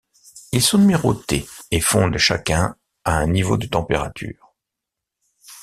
Ils sont numérotés et fondent chacun à un niveau de température.